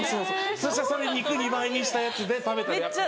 そしたらそれ肉２倍にしたやつ食べたらやっぱ。